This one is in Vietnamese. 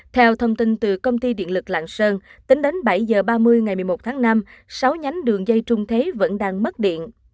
theo thông tin từ công ty điện lực lạng sơn tính đến bảy h ba mươi ngày một mươi một tháng năm sáu nhánh đường dây trung thế vẫn đang mất điện